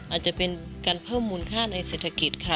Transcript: อาจจะเป็นการเพิ่มมูลค่าในเศรษฐกิจค่ะ